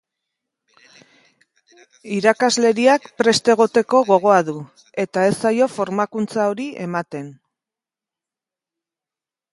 Irakasleriak prest egoteko gogoa du, eta ez zaio formakuntza hori ematen.